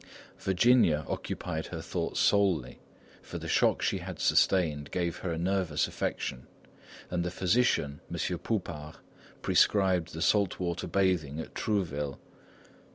Virginia occupied her thoughts solely, for the shock she had sustained gave her a nervous affection, and the physician, M. Poupart, prescribed the saltwater bathing at Trouville.